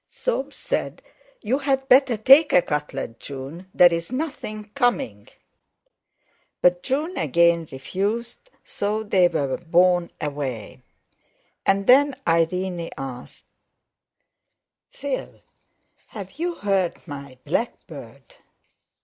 Soames said: "You'd better take a cutlet, June; there's nothing coming." But June again refused, so they were borne away. And then Irene asked: "Phil, have you heard my blackbird?"